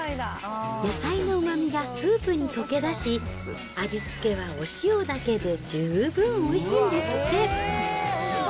野菜のうまみがスープに溶け出し、味付けはお塩だけで十分おいしいんですって。